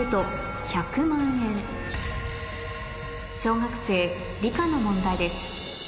小学生理科の問題です